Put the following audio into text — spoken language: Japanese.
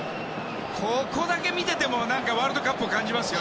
ここだけ見ててもワールドカップを感じますよね。